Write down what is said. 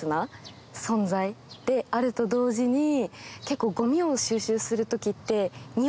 であると同時に結構。